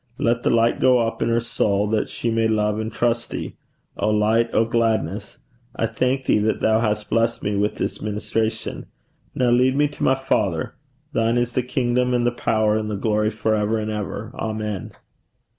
Let the light go up in her soul, that she may love and trust thee, O light, O gladness. I thank thee that thou hast blessed me with this ministration. Now lead me to my father. Thine is the kingdom, and the power, and the glory, for ever and ever. Amen.'